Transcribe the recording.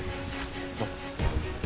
どうぞ。